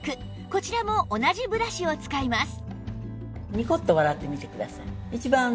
こちらも同じブラシを使います